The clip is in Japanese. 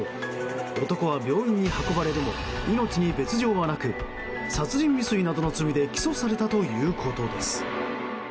男は病院に運ばれるも命に別条はなく殺人未遂などの罪で起訴されたということです。